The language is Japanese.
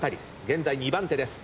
現在２番手です。